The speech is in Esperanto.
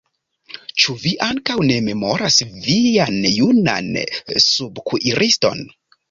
Ĉu vi ankaŭ ne memoras vian junan subkuiriston?